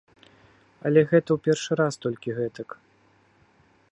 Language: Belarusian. Але гэта ў першы раз толькі гэтак.